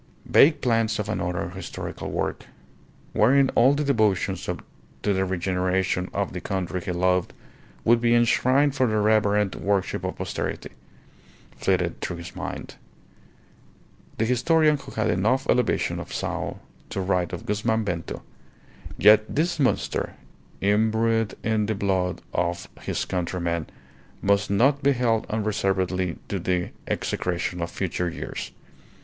Vague plans of another historical work, wherein all the devotions to the regeneration of the country he loved would be enshrined for the reverent worship of posterity, flitted through his mind. The historian who had enough elevation of soul to write of Guzman Bento: "Yet this monster, imbrued in the blood of his countrymen, must not be held unreservedly to the execration of future years.